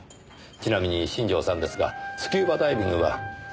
ちなみに新城さんですがスキューバダイビングはされてますか？